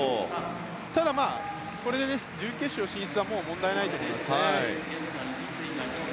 ただ、これで準決勝進出は問題ないと思いますね。